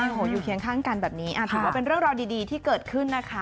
โอ้โหอยู่เคียงข้างกันแบบนี้ถือว่าเป็นเรื่องราวดีที่เกิดขึ้นนะคะ